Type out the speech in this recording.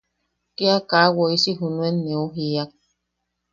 Kia kaa woisi junuen neu jiiak.